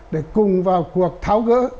để cùng vào cuộc tháo gỡ